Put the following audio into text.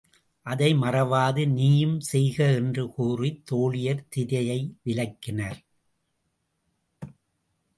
அதை மறவாது நீயும் செய்க என்று கூறித் தோழியர் திரையை விலக்கினர்.